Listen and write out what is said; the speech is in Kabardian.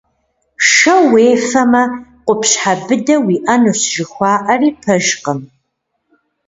Шэ уефэмэ къупщхьэ быдэ уиӀэнущ жыхуаӀэри пэжкъым.